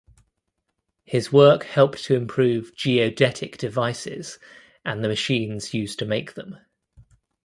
His work helped to improve geodetic devices and the machines used to make them.